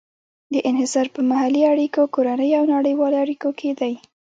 دا انحصار په محلي اړیکو، کورنیو او نړیوالو اړیکو کې دی.